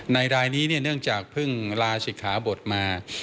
รายนี้เนื่องจากเพิ่งลาศิกขาบทมา